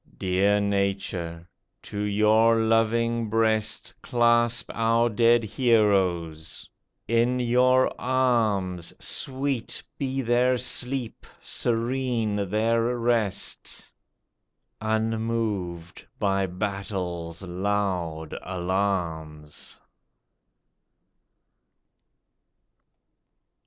Dear Nature, to your loving breast Clasp our dead heroes ! In your arms Sweet be their sleep, serene their rest. Unmoved by Battle's loud alarms